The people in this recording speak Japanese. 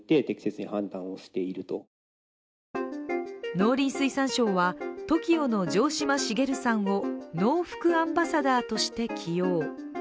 農林水産省はＴＯＫＩＯの城島茂さんをノウフクアンバサダーとして起用。